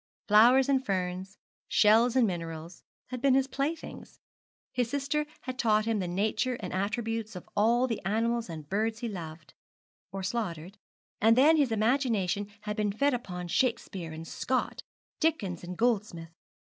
Flowers and ferns, shells and minerals, had been his playthings. His sister had taught him the nature and attributes of all the animals and birds he loved, or slaughtered; and then his imagination had been fed upon Shakespeare and Scott, Dickens and Goldsmith.